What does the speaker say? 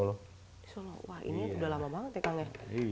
di solo wah ini udah lama banget ya kang ya